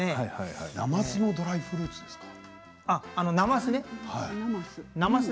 なます、ドライフルーツですか。